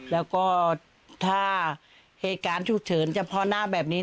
แล้วก็ถ้าเหตุการณ์ฉุกเฉินเฉพาะหน้าแบบนี้